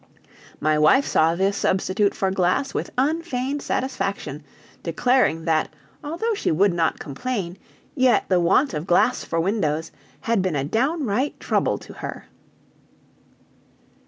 My wife saw this substitute for glass with unfeigned satisfaction, declaring, that although she would not complain, yet the want of glass for windows had been a downright trouble to her.